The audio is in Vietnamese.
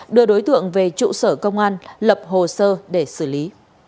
đưa đối tượng về trụ sở công an lập hồ sơ để xử lý